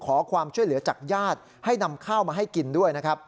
ขอความช่วยเหลือจากญาติให้นำข้าวมาให้กินด้วยนะครับ